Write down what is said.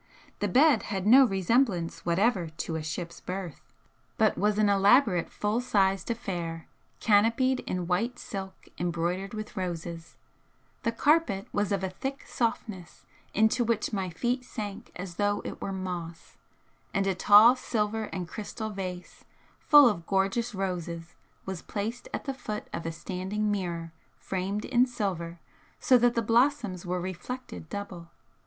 The bed had no resemblance whatever to a ship's berth, but was an elaborate full sized affair, canopied in white silk embroidered with roses; the carpet was of a thick softness into which my feet sank as though it were moss, and a tall silver and crystal vase, full of gorgeous roses, was placed at the foot of a standing mirror framed in silver, so that the blossoms were reflected double.